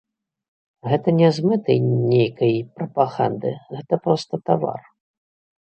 Гэта не з мэтай нейкай прапаганды, гэта проста тавар.